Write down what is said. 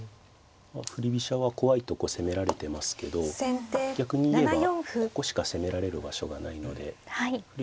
振り飛車は怖いとこ攻められてますけど逆に言えばここしか攻められる場所がないので振り